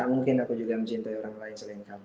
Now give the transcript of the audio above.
mungkin aku juga mencintai orang lain selain kamu